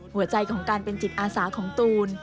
หัวใจของการเป็นจิตอาสาของตูน